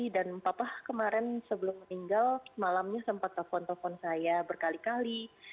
dan papa kemarin sebelum meninggal malamnya sempat telepon telepon saya berkali kali